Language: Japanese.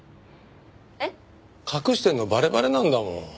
えっ？隠してるのバレバレなんだもん。